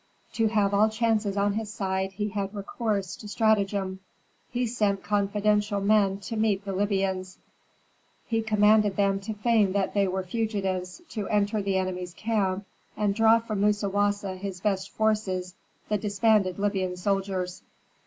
To have all chances on his side he had recourse to stratagem. He sent confidential men to meet the Libyans; he commanded them to feign that they were fugitives, to enter the enemies' camp and draw from Musawasa his best forces, the disbanded Libyan soldiers.